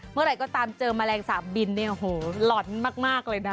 เมื่อไหร่ก็ตามเจอแมลงสาบบินเนี่ยโหล่อนมากเลยนะ